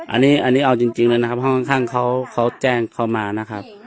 อันนี้เอาจริงแล้วนะครับห้องข้างเขาแจ้งเขามานะครับ